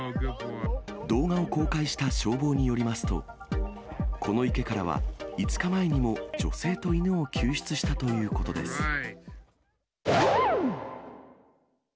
動画を公開した消防によりますと、この池からは、５日前にも女性と犬を救出したということです。